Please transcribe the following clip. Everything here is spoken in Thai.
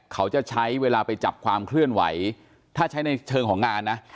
เขาจะใช้เวลาไปจับความเคลื่อนไหวถ้าใช้ในเชิงของงานนะ